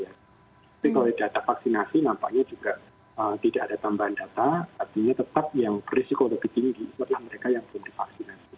tapi kalau data vaksinasi nampaknya juga tidak ada tambahan data artinya tetap yang berisiko lebih tinggi itu adalah mereka yang belum divaksinasi